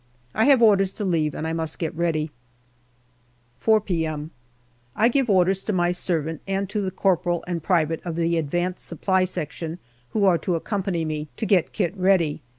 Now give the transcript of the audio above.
I have orders to leave, and I must get ready. APRIL 35 4 p.m. I give orders to my servant and to the corporal and private of the advanced Supply Section, who are to accom pany me, to get kit ready.